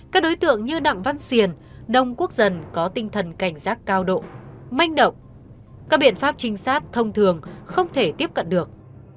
các đối tượng như đặng văn xiền đông quốc dân có tinh thần cảnh giác cao độ manh động các biện pháp trinh sát thông thường không thể tiếp cận được